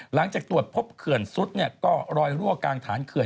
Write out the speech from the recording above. หลังจากตรวจพบเขื่อนซุดเนี่ยก็รอยรั่วกลางฐานเขื่อน